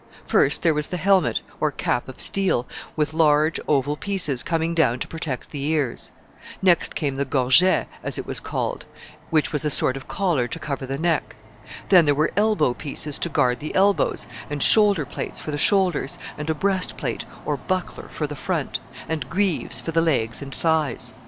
First, there was the helmet, or cap of steel, with large oval pieces coming down to protect the ears. Next came the gorget, as it was called, which was a sort of collar to cover the neck. Then there were elbow pieces to guard the elbows, and shoulder plates for the shoulders, and a breast plate or buckler for the front, and greaves for the legs and thighs.